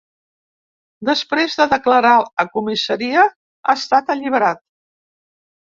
Després de declarar a comissaria ha estat alliberat.